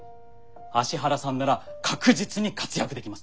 芦原さんなら確実に活躍できます。